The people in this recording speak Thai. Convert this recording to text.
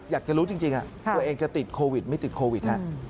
อยากจะรู้จริงตัวเองจะติดโควิดไม่ติดโควิด